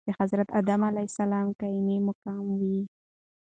دحضرت ادم عليه السلام قايم مقام وي .